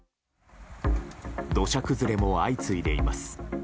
土砂崩れも相次いでいます。